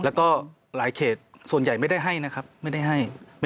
แล้วก็หลายเขตส่วนใหญ่ไม่ได้ให้นะครับไม่ได้ให้